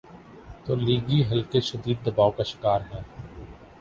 تولیگی حلقے شدید دباؤ کا شکارہیں۔